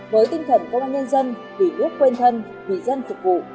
với tinh thần công an nhân dân vì ước quen thân vì dân phục vụ